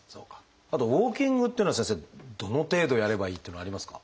あとウォーキングっていうのは先生どの程度やればいいっていうのはありますか？